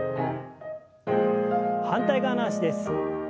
反対側の脚です。